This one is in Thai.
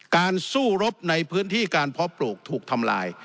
การสู้รบในพื้นที่การเพาะปลูกถูกทำลาย